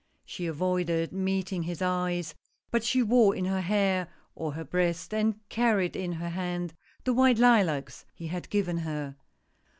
She avoided meeting his eyes, but she wore in her hair, or her breast, and carried in her hand the white lilacs he had given her.